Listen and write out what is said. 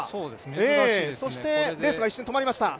レースが一瞬、止まりました。